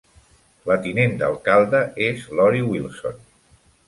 La tinent d'alcalde és Lori Wilson.